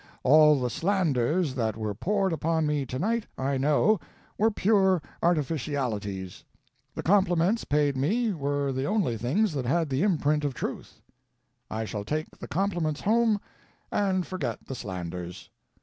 "All the slanders that were poured upon me tonight I know, were pure artificialities. The compliments paid me were the only things that had the imprint of truth. I shall take the compliments home and forget the slanders.